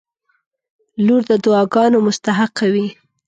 • لور د دعاګانو مستحقه وي.